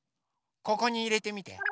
ここにいれてみて。